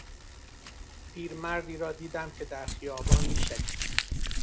پیرمردی را دیدم که در خیابان میشلید.